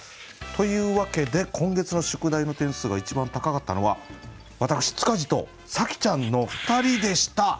というわけで今月の宿題の点数が一番高かったのは私塚地と紗季ちゃんの２人でした。